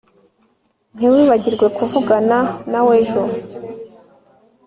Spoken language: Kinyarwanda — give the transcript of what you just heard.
Ntiwibagirwe kuvugana nawe ejo